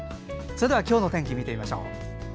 それでは今日の天気見てみましょう。